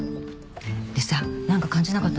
でさなんか感じなかったの？